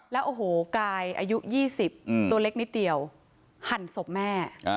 แล้วอายุ๒๐ตัวเล็กนิดเดียวหันศพแม่